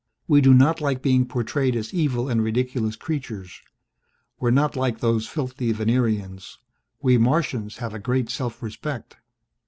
We do not like being portrayed as evil and ridiculous creatures. We're not like those filthy Venerians. We Martians have a great self respect."